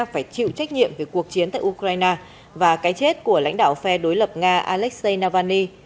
phải chịu trách nhiệm về cuộc chiến tại ukraine và cái chết của lãnh đạo phe đối lập nga alexei navalny